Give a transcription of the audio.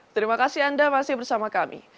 terima kasih anda masih bersama kami